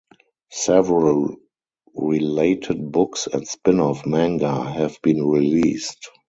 Several related books and spin-off manga have been released.